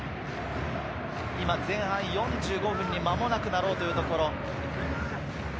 前半４５分に間もなくなろうというところです。